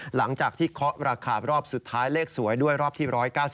หลังจากที่เคาะราคารอบสุดท้ายเลขสวยด้วยรอบที่๑๙๒